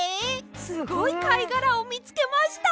すごいかいがらをみつけました！